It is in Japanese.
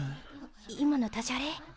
今のダジャレ？